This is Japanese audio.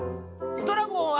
「ドラゴンは？」。